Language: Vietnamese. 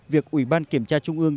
việc ủy ban kiểm tra trung ương